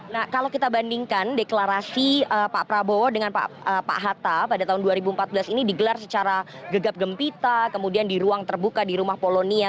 nah kalau kita bandingkan deklarasi pak prabowo dengan pak hatta pada tahun dua ribu empat belas ini digelar secara gegap gempita kemudian di ruang terbuka di rumah polonia